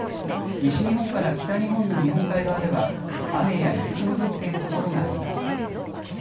西日本から北日本の日本海側では雨や雪の降っている所があります。